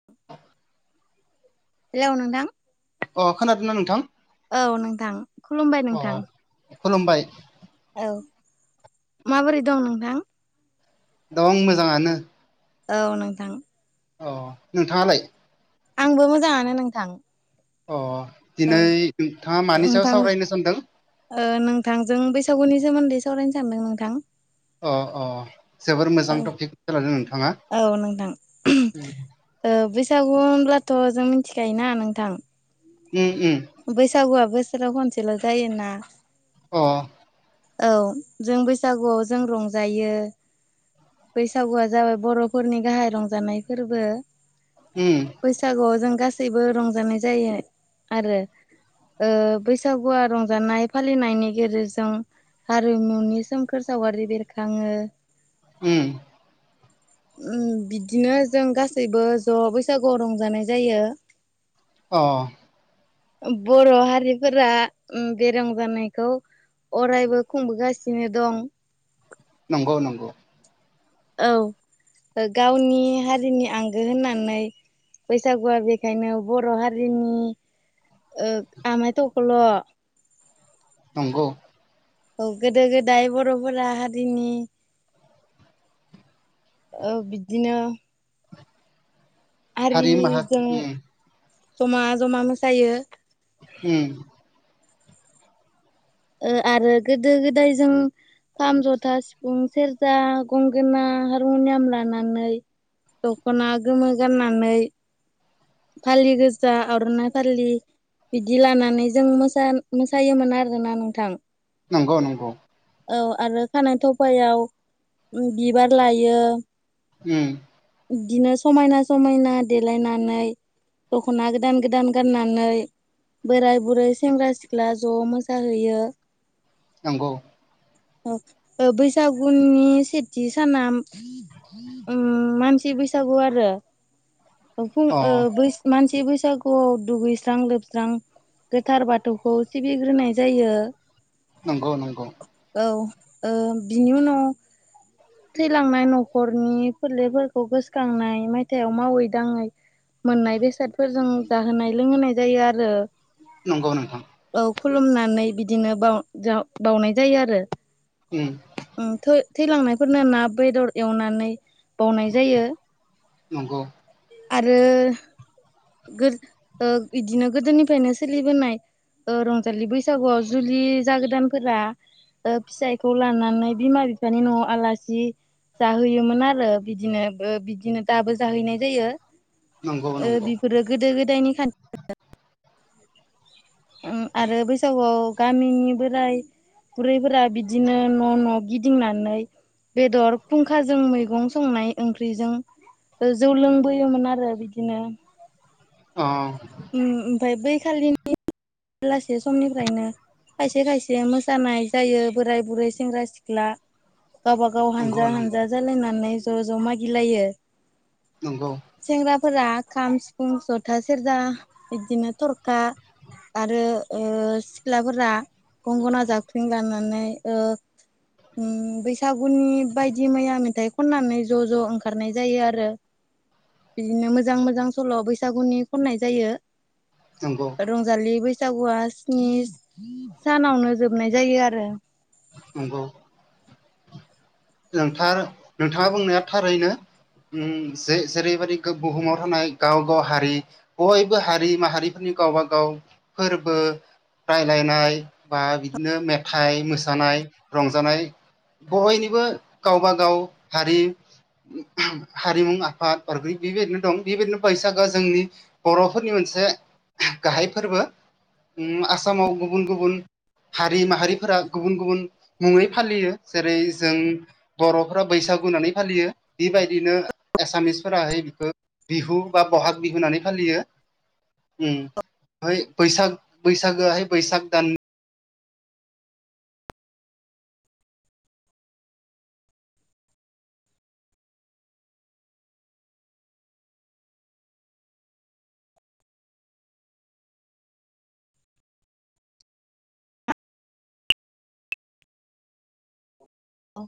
[inaudible] Hello नोंथां। अ खोनादोना नोंथां् औ नोंथां खुलुमबाय नोंथां। खुलुमबाय। औ माबोरै दं नोंथां। दं मोजाङानो औ नोंथां। अ नोंथाङालाय। आंबो मोजाङानो नोंथां। अ औ दिनै नोंथाङा मानि सायाव नोंथां सावरायनो सानदों। ओ नोंथांजों बैसागुनि सोमोन्दै सावरायनो सान्दों नोंथां। अ अ जोबोर औ मोजां टपिकखो लादों नोंथाङा। औ नोंथां ओ बैसागु होनब्लाथ' जों मिथिखायोना नोंथां। उम उम। बैसागुआ बोसोराव खनसेल' जायोना। अ। औ जों बैसागुआव जों रंजायो। बैसागुआ जाबाय बर'फोरनि गाहाय रंजानाय फोरबो उम। बैसागुआव जों गासैबो रंजानाय जायो आरो। बैसागुआ रंजानाय फालिनायनि गेजेरजों हारिमुनि सोमखोर सावगारि बेरखाङो उम। बिदिनो जों गासैबो ज बैसागुआव रंजानाय जायो। अ। बर' हारिफोरा बे रंजानायखौ अरायबो खुंबोगासिनो दं। नंगौ नंगौ। औ गावनि हारिनि आंगो होननानै बैसागुआ बेखायनो बर' हारिनि आमायथख्ल' नंगौ। औ गोदो गोदाय बर'फोरा हारिनि बिदिनो हारि माहा हारिजों उम जमा जमा मोसायो। उम। ओ आरो गोदो गोदाय जों खाम जथा सिफुं सेर्जा गंगोना हारमुनियाम लानानै दखना गोमो गाननानै फालि गोजा आरनाइ फालि बिदि लानानै जों मोसायोमोन आरोना नोंथां नंगौ नंगौ औ आरो खानाय थफायाव बिबार लायो उम‌ बिदिनो समायना समायना देलायनानै दखना गोदान गोदान गाननानै बोराय बुरै सेंग्रा सिख्ला ज मोसाहैयो नंगौ औ बैसागुनि सेथि साना मानसि बैसागो आरो फुं अ [unintelligible] मानसि बैसागोआव दुगैस्रां लोबस्रां गोथार बाथौखौ सिबिग्रोनाय जायो नंगौ नंगौ औ बिनि उनाव थैलांनाय न'खरनि फोरलेफोरखौ गोसोखांनाय मायथाइयाव मावै दाङै मोननाय बेसादफोरजों जाहोनाय लोंहोनाय जायो आरो नंगौ नोंथां औ खुलुमनानै बिदिनो बावनाय जायो आरो उम थैलांनायफोरनो ना बेदर एवनानै बावनाय जायो नंगौ आरो बिदिनो गोदोनिफ्रायनो सोलिबोनाय रंजालि बैसागोआव जुलि जागोदानफोरा फिसायखौ लानानै बिमा बिफानि न'आव आलासि जाहैयोमोन आरो बिदिनो बिदिनो दाबो जाहैनाय जायो नंगौ नंगौ बिफोरो गोदो गोदायनि खान्थि आरो बैसागोआव गामिनि बोराइ बुरैफोरा बिदिनो न' न' गिदिंनानै बेदर खुंखाजों मैगं संनाय ओंख्रिजों जौ लोंबोयोमोन आरो बिदिनो अ ओमफ्राय बै खालिनि बेलासे समनिफ्रायनो खायसे खायसे मोसानाय जायो बोराय बुरै सेंग्रा सिख्ला गावबा गाव नंगौ हानजा नंगौ हानजा जालायनानै ज' ज' मागिलायो नंगौ सेंग्राफोरा खाम सिफुं जथा सेरजा बिदिनो थरखा ओ आरो सिख्लाफोरा गंगना जाख्रिं दामनानै बैसागोनि बायदि मैया मेथाइ खननानै ज' ज' ओंखारनाय जायो आरो बिदिनो मोजां मोजां सल' बैसागोनि खननाय जायो नोंगौ रंजालि बैसागोआ स्नि सानावनो जोबनाय जायो आरो नंगौ थार नोंथाङा बुंनाया थारैनो [unintelligible] ओ जे जेरैबायदि बुहुमाव थानाय गाव गाव हारि बयबो हारि माहारिफोरनि गावब गाव फोरबो राय्लायनाय बा बिदिनो मेथाइ मोसानाय रंजानाय बयनिबो गावबागाव हारि हारिमु आफाद बागै बेबायदिनो दं बेबायदिनो बैसागोआ जोंनि [unintelligible] बर'फोरनि मोनसे गाहाय फोरबो आसामाव गुबुन गुबुन हारि माहारिफोरा गुबुन गुबुन मुङै फालियो जेरै जों बर'फोरा बैसागु होननानै फालियो बेबायदिनो एसामिसफोराहाय बिखौ बिहु बा बहाग बिहु होननानै फालियो ओम बैसाग बैसागोहाय बैसाग दाननि औ